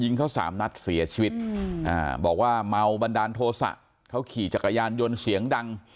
เขาสามนัดเสียชีวิตบอกว่าเมาบันดาลโทษะเขาขี่จักรยานยนต์เสียงดัง